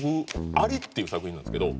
「アリ」っていう作品なんですけど。